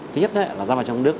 thứ nhất là ra vào trong nước